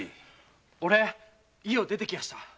おれ家を出てきました。